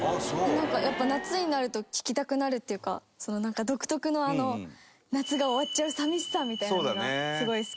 やっぱ夏になると聴きたくなるっていうかなんか独特のあの夏が終わっちゃう寂しさみたいなのがすごい好きで。